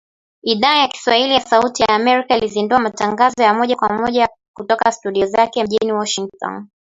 Idhaa ya Kiswahili ya Sauti ya Amerika ilizindua matangazo ya moja kwa moja kutoka studio zake mjini Washington